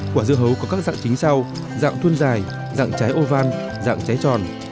quả dưa hấu có các dạng chính sau dạng thuân dài dạng trái oval dạng trái tròn